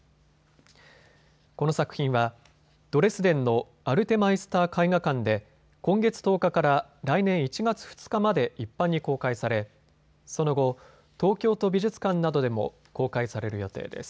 この作品はドレスデンのアルテ・マイスター絵画館で今月１０日から来年１月２日まで一般に公開され、その後、東京都美術館などでも公開される予定です。